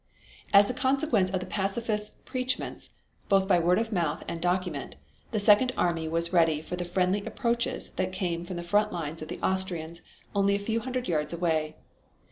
As a consequence of the pacifists' preachments both by word of mouth and document, the second army was ready for the friendly approaches that came from the front lines of the Austrians only a few hundred yards away.